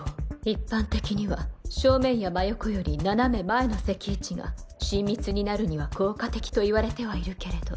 一般的には正面や真横より斜め前の席位置が親密になるには効果的といわれてはいるけれど